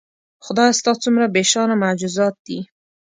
خدایه ستا څومره بېشانه معجزات دي